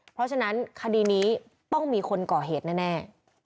เพราะฉะนั้นคดีนี้ต้องมีคนก่อเหตุแน่